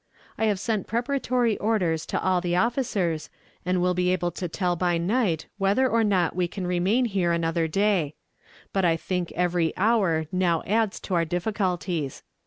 I have sent preparatory orders to all the officers, and will be able to tell by night whether or not we can remain here another day; but I think every hour now adds to our difficulties.